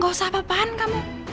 gak usah apa apaan kamu